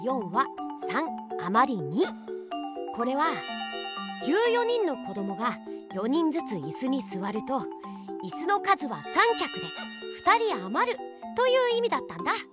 これは１４人の子どもが４人ずついすにすわるといすの数は３きゃくで２人あまるといういみだったんだ！